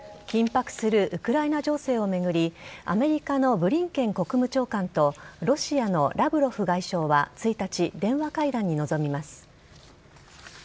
緊迫するウクライナ情勢を巡り、アメリカのブリンケン国務長官と、ロシアのラブロフ外相は１日、電話会談に臨みます。